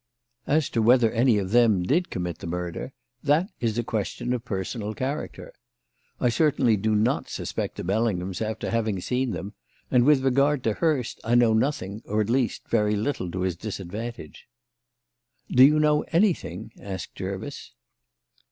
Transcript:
As to whether any of them did commit the murder, that is a question of personal character. I certainly do not suspect the Bellinghams after having seen them, and with regard to Hurst, I know nothing, or at least very little, to his disadvantage." "Do you know anything?" asked Jervis.